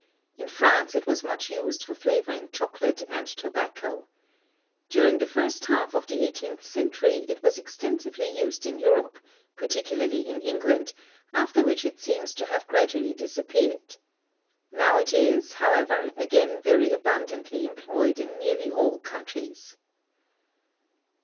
In France it was much used for flavoring chocolate and tobacco. During the first half of the eighteenth century it was extensively used in Europe, particularly in England, after which it seems to have gradually disappeared. Now it is, however, again very abundantly employed in nearly all countries.